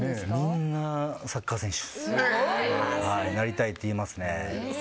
みんなサッカー選手になりたいって言いますね。